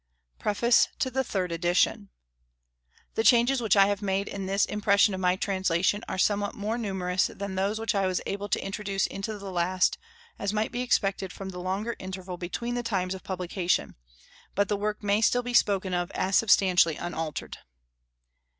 PREFACE TO THIRD EDITION. The changes which I have made in this impression of my translation are somewhat more numerous than those which I was able to introduce into the last, as might be expected from the longer interval between the times of publication; but the work may still be spoken of as substantially unaltered.